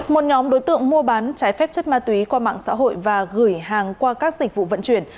một nhóm đối tượng mua bán trái phép chất ma túy qua mạng xã hội và gửi hàng qua các dịch vụ vận chuyển